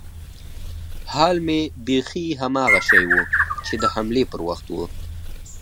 حال مې بيخي هماغه شى و چې د حملې پر وخت و.